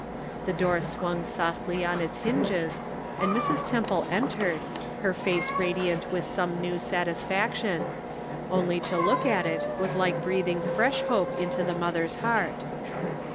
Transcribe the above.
The door swung softly on its hinges, and Mrs. Temple entered, her face radiant with some new satisfaction; only to look at it was like breathing fresh hope into the mother's heart.